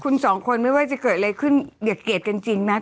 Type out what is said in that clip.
คุณสองคนไม่ว่าจะเกิดอะไรขึ้นเกียรติกันจริงนะ